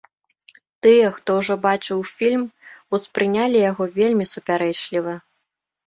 Тыя, хто ўжо бачыў фільм, успрынялі яго вельмі супярэчліва.